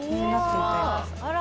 あら。